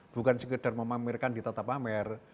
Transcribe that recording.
bukan sekedar memamerkan di tata pamer